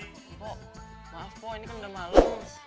ibu maaf bu ini kan udah malu